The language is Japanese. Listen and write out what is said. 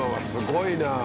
すごいな。